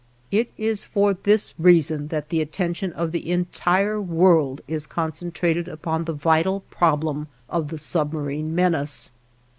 It is for this reason that the attention of the entire world is concentrated upon the vital problem of the submarine menace.